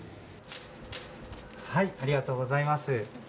ありがとうございます。